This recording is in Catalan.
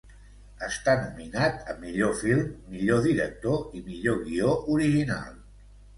Està nominat a millor film, millor director i millor guió original.